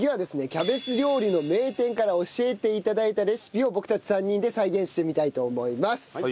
キャベツ料理の名店から教えて頂いたレシピを僕たち３人で再現してみたいと思います。